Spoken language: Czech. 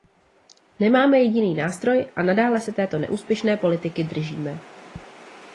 Nemáme jediný nástroj a nadále se této neúspěšné politiky držíme.